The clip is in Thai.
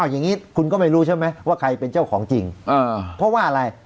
อย่างนี้คุณก็ไม่รู้ใช่ไหมว่าใครเป็นเจ้าของจริงเพราะว่าอะไร